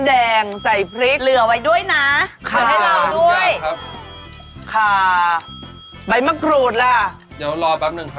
เดี๋ยวรอแป๊บหนึ่งครับเดี๋ยวรอก่อนใบมะกรูดทีหลัง